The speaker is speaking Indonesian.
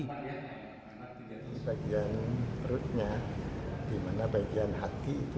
di bagian perutnya di mana bagian hati itu